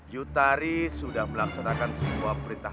yutari sudah melaksanakan semua perintah